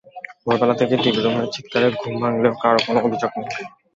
ভোরবেলা থেকে টিভি রুমের চিৎকারে ঘুম ভাঙলেও কারও কোনো অভিযোগ নেই।